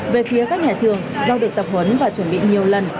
về phía các nhà trường do được tập huấn và chuẩn bị nhiều lần